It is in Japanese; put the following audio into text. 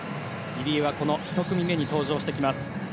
入江はこの１組目に登場してきます。